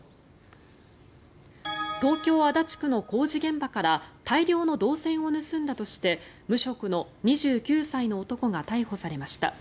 東京・足立区の工事現場から大量の銅線を盗んだとして無職の２９歳の男が逮捕されました。